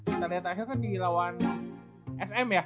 kita liat akhirnya kan dia lawan sm ya